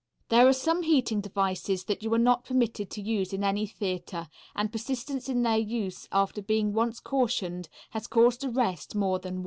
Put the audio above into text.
There are some heating devices that you are not permitted to use in any theatre, and persistence in their use after being once cautioned has caused arrest more than once.